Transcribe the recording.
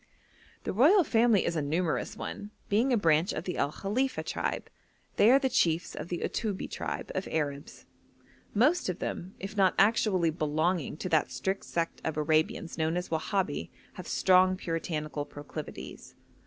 The royal family is a numerous one, being a branch of the El Khalifa tribe. They are the chiefs of the Uttubbi tribe of Arabs. Most of them, if not actually belonging to that strict sect of Arabians known as Wahabi, have strong puritanical proclivities.